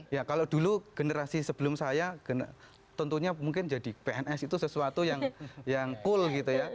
ya kalau dulu generasi sebelum saya tentunya mungkin jadi pns itu sesuatu yang cool gitu ya